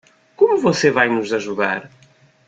Como você vai nos ajudar?